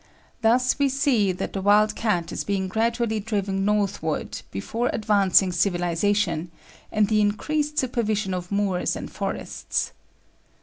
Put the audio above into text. Thus we see that the wild cat is being gradually driven northward before advancing civilisation and the increased supervision of moors and forests.